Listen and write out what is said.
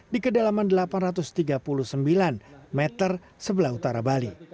di kedalaman delapan ratus tiga puluh sembilan meter sebelah utara bali